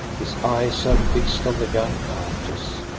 His eyes are fixed on the young countess.